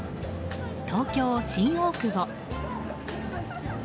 東京・新大久保。